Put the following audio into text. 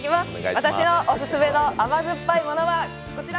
私のおすすめの甘酸っぱいものはこちら。